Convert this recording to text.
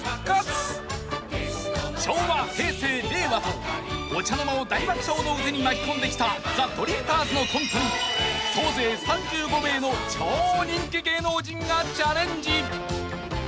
［昭和平成令和とお茶の間を大爆笑の渦に巻き込んできたザ・ドリフターズのコントに総勢３５名の超人気芸能人がチャレンジ］